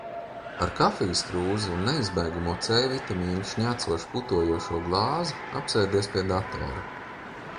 Ar kafijas krūzi un neizbēgamo C vitamīna šņācoši putojošo glāzi apsēdies pie datora.